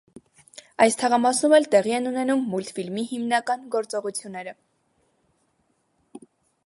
Այս թաղամասում էլ տեղի են ունենում մուլտֆիլմի հիմնական գործողությունները։